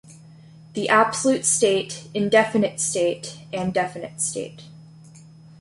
The Absolute State, Indefinite State, and Definite State.